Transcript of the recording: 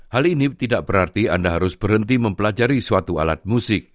hal ini tidak berarti anda harus berhenti mempelajari suatu alat musik